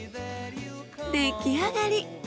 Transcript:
出来上がり。